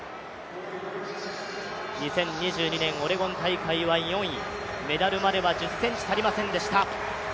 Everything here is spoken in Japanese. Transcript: ２０２２年オレゴン大会は４位、メダルまでは１０ｃｍ足りませんでした。